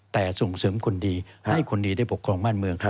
แต่ส่งเสริมคนดีให้คนดีได้ปกครองบ้านเมือง